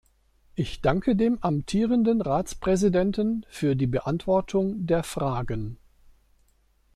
Ich danke dem amtierenden Ratspräsidenten für die Beantwortung der Fragen.